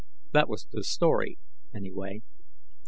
That was the story, anyway.